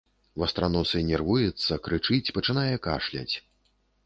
Вастраносы нервуецца, крычыць, пачынае кашляць.